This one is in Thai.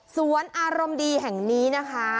อารมณ์ดีแห่งนี้นะคะ